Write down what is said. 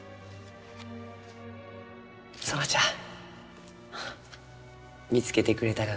園ちゃん見つけてくれたがかえ？